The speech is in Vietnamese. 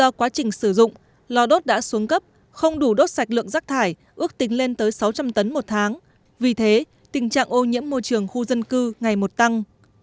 do quá trình sử dụng lò đốt đã xuống cấp không đủ đốt sạch lượng rác thải ước tính lên tới sáu trăm linh tấn một tháng vì thế tình trạng ô nhiễm môi trường khu dân cư ngày một tăng